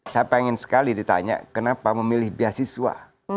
saya pengen sekali ditanya kenapa memilih beasiswa